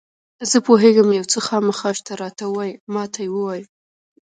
زه پوهېږم یو څه خامخا شته، راته ووایه، ما ته یې ووایه.